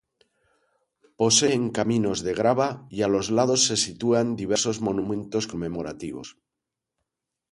Poseen caminos de grava, y a los lados se sitúan diversos monumentos conmemorativos.